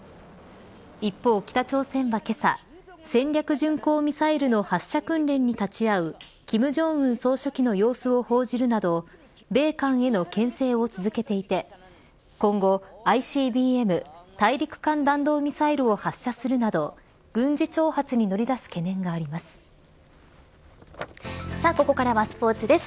一方北朝鮮はけさ戦略巡航ミサイルの発射訓練に立ち会う金正恩総書記の様子を報じるなど米韓へのけん制を続けていて今後ＩＣＢＭ＝大陸間弾道ミサイルを発射するなど軍事挑発にさあ、ここからはスポーツです。